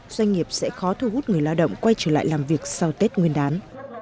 doanh nghiệp sẽ khó thu hút người lao động quay trở lại làm việc sau tết nguyên đán